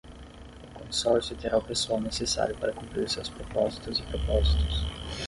O consórcio terá o pessoal necessário para cumprir seus propósitos e propósitos.